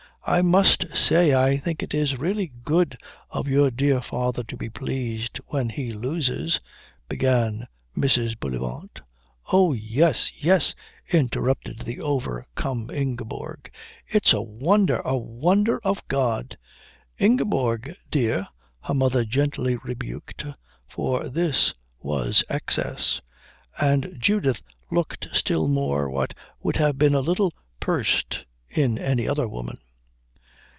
"I must say I think it is really good of your dear father to be pleased, when he loses " began Mrs. Bullivant. "Oh, yes, yes," interrupted the overcome Ingeborg, "it's a wonder a wonder of God." "Ingeborg dear," her mother gently rebuked, for this was excess; and Judith looked still more what would have been a little pursed in any other woman.